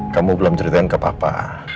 kamu belum ceritain ke papa